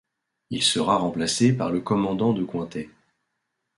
Il sera remplacé par le commandant de Cointet.